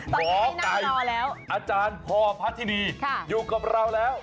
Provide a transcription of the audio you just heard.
หมอไก่อาจารย์พอพัฒินีอยู่กับเราแล้ว